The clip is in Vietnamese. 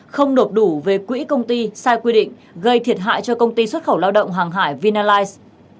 không nộp đủ về quỹ công ty sai quy định gây thiệt hại cho công ty xuất khẩu lao động hàng hải vinaliz